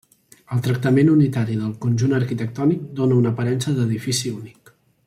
El tractament unitari del conjunt arquitectònic dóna una aparença d'edifici únic.